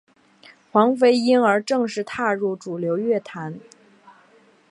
黄妃因而正式踏入主流乐坛。